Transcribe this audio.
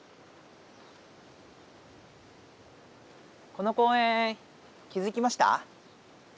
この公園気づきました？